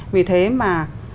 vì thế mà